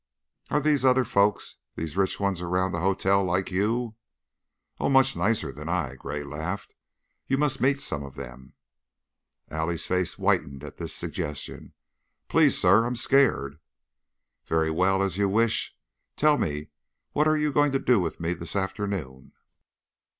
"Are these other folks, these rich ones around the hotel, like you?" "Oh, much nicer than I!" Gray laughed. "You must meet some of them." Allie's face whitened at this suggestion. "Please, sir I'm scared!" "Very well. As you wish. Tell me, what are you going to do with me this afternoon?"